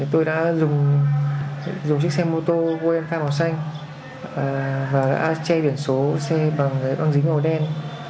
tôi đã dùng chiếc xe mô tô wmk màu xanh và đã che biển số xe bằng băng dính màu đen